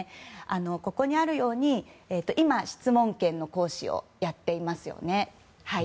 ここにあるように今質問権行使をやっていますよね。